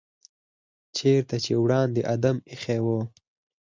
چېرته چې وړاندې آدم ایښی و.